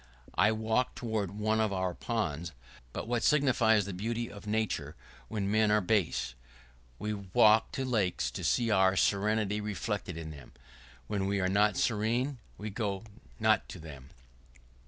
[¶48] I walk toward one of our ponds; but what signifies the beauty of nature when men are base? We walk to lakes to see our serenity reflected in them; when we are not serene, we go not to them.